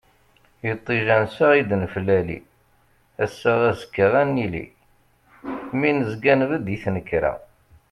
Iṭij ansa i d-neflali, ass-a azekka ad nili, mi nezga nbedd i tnekra.